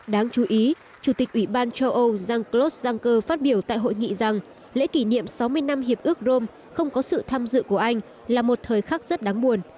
đáng chú ý chủ tịch ủy ban châu âu jean claude juncker phát biểu tại hội nghị rằng lễ kỷ niệm sáu mươi năm hiệp ước rome không có sự tham dự của anh là một thời khắc rất đáng buồn